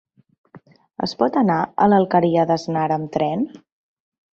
Es pot anar a l'Alqueria d'Asnar amb tren?